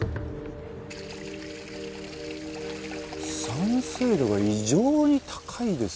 酸性度が異常に高いですね。